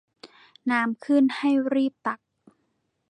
น้ำขึ้นให้รีบตัก